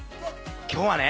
今日はね